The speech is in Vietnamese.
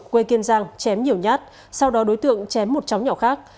quê kiên giang chém nhiều nhát sau đó đối tượng chém một chóng nhỏ khác